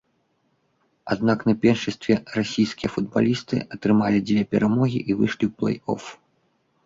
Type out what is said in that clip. Аднак на першынстве расійскія футбалісты атрымалі дзве перамогі і выйшлі ў плэй-оф.